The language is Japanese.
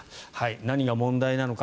何が問題なのか。